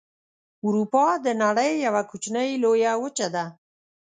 اروپا د نړۍ یوه کوچنۍ لویه وچه ده.